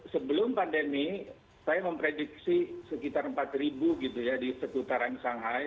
sebelum pandemi saya memprediksi sekitar empat ribu gitu ya di seputaran shanghai